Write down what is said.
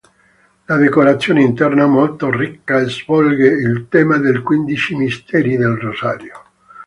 La decorazione interna, molto ricca, svolge il tema dei quindici misteri del Rosario.